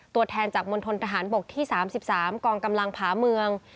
ตัวแทนจากมณฑนทหารบกที่๓๓กองกำลังผาเมือง